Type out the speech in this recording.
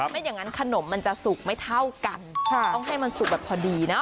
ไม่อย่างนั้นขนมมันจะสุกไม่เท่ากันต้องให้มันสุกแบบพอดีเนาะ